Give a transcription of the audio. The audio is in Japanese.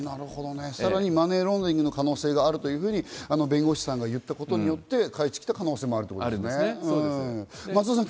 さらにマネーロンダリングの可能性があると弁護士さんが言ったことで帰ってきた可能性もあるということですね。